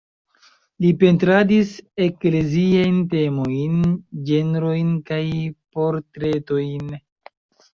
Li pentradis ekleziajn temojn, ĝenrojn kaj portretojn.